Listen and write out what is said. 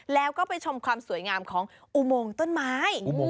แล้วก็ไปชมความสวยงามของอุโมงต้นไม้